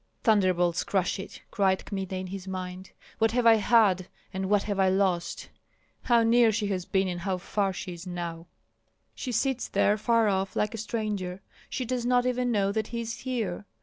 "Thunderbolts crush it!" cried Kmita, in his mind. "What have I had and what have I lost? How near she has been and how far is she now!" She sits there far off, like a stranger; she does not even know that he is here.